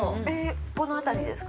この辺りですか？